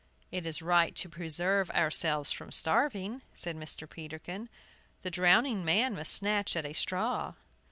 "It is right to preserve ourselves from starving," said Mr. Peterkin. "The drowning man must snatch at a straw!"